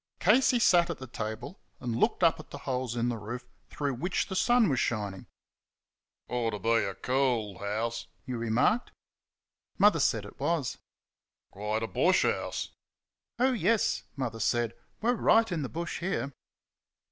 Casey sat at the table and looked up at the holes in the roof, through which the sun was shining. "Ought t' be a cool house," he remarked. Mother said it was. "Quite a bush house." "Oh, yes," Mother said "we're right in the bush here."